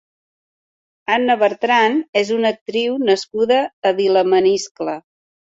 Anna Bertran és una actriu nascuda a Vilamaniscle.